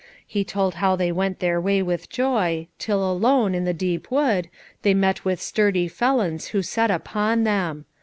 He told how they went their way with joy, till alone, in the deep wood, they met with sturdy felons who set upon them.